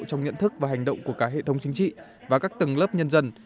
trong nhận thức và hành động của cả hệ thống chính trị và các tầng lớp nhân dân